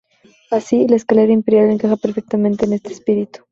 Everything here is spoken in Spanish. Así, la escalera imperial encaja perfectamente en este espíritu.